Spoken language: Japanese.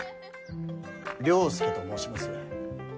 了助と申します。